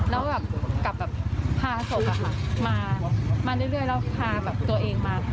แล้วก็กลับพาโสกมาเรื่อยแล้วพาตัวเองมา